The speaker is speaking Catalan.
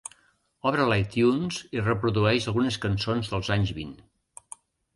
Obre l'Itunes i reprodueix algunes cançons dels anys vint.